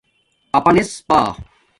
اپݳنس پݳ